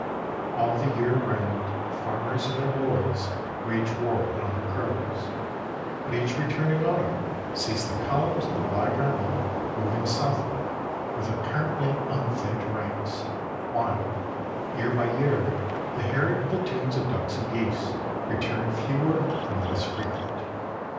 All the year round, farmers and their boys wage war upon the crows, but each returning autumn sees the columns of the black army moving southward with apparently unthinned ranks, while, year by year, the harried platoons of ducks and geese return fewer and less frequent.